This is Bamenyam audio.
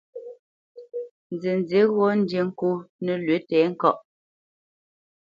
Nzənzí ghɔ́ ndí ŋkô nəlwʉ̌ tɛ̌ŋkaʼ.